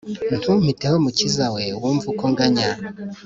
ntumpiteho mukiza we wumve uko nganya